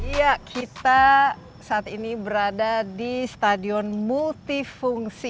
ya kita saat ini berada di stadion multifungsi